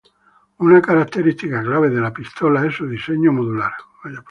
Una característica clave de la pistola es su diseño modular.